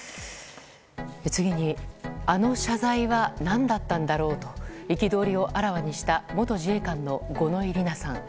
次に、あの謝罪は何だったんだろうと憤りをあらわにした元自衛官の五ノ井里奈さん。